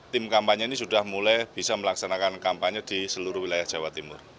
tim kampanye ini sudah mulai bisa melaksanakan kampanye di seluruh wilayah jawa timur